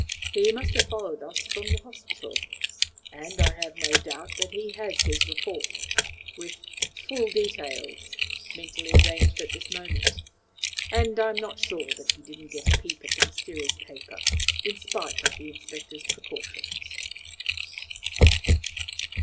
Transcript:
He must have followed us from the hospital, and I have no doubt that he has his report, with 'full details,' mentally arranged at this moment. And I am not sure that he didn't get a peep at the mysterious paper, in spite of the inspector's precautions."